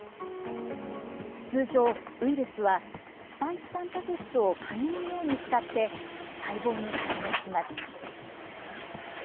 通常、ウイルスはスパイクたんぱく質を鍵のように使って細胞に感染します。